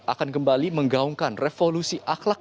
akan kembali menggaungkan revolusi akhlak